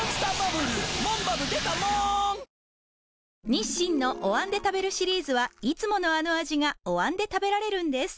日清のお椀で食べるシリーズはいつものあの味がお椀で食べられるんです